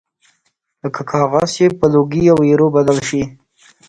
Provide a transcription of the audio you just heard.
لکه کاغذ چې په لوګي او ایرو بدل شي